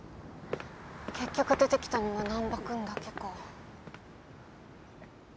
結局出てきたのは難破君だけか。